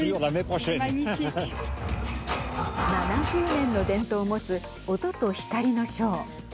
７０年の伝統を持つ音と光のショー。